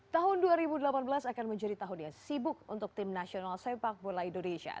tahun dua ribu delapan belas akan menjadi tahun yang sibuk untuk tim nasional sepak bola indonesia